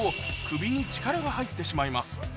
首に力が入ってしまいます